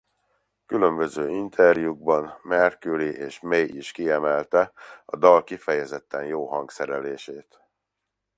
Különböző interjúkban Mercury és May is kiemelte a dal kifejezetten jó hangszerelését.